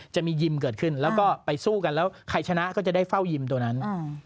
จะมียิมเกิดขึ้นแล้วก็ไปสู้กันแล้วใครชนะก็จะได้เฝ้ายิมตัวนั้น